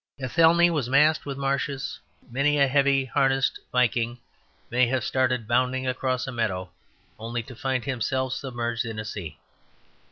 Athelney was masked with marshes; many a heavy harnessed Viking may have started bounding across a meadow only to find himself submerged in a sea.